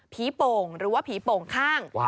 โป่งหรือว่าผีโป่งข้าง